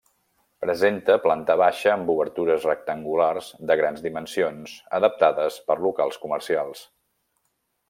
Presenta planta baixa amb obertures rectangulars de grans dimensions adaptades per locals comercials.